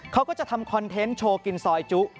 เขาก็จะทำคอนเทนต์โชว์กินซอยจุ